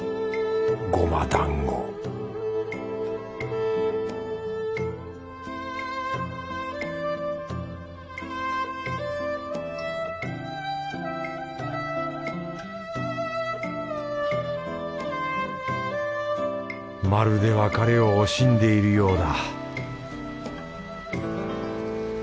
ごまだんごまるで別れを惜しんでいるようだ